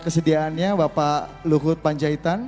kesediaannya bapak luhut panjaitan